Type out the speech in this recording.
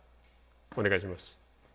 お願いします。